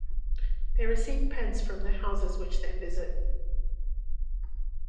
They receive pence from the houses which they visit.